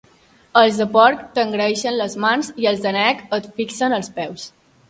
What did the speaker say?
Els de porc t'engreixen les mans i els d'ànec et fixen els peus.